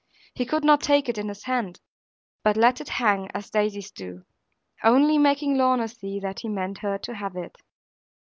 He could not take it in his hand, but let it hang, as daisies do; only making Lorna see that he meant her to have it.